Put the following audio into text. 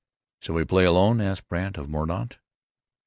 "Shall we play alone?" asked Brandt of Mordaunt.